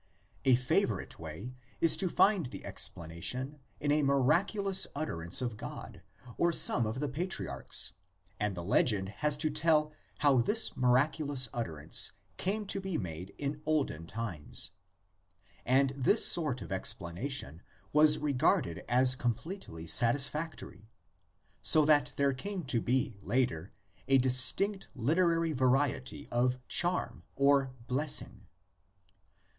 A favorite way is to find the explanation in a miraculous utterance of God or some of the patri archs, and the legend has to tell how this mirac ulous utterance came to be made in olden times. And this sort of explanation was regarded as com pletely satisfactory, so that there came to be later a distinct literary variety of "charm" or '"bless ing."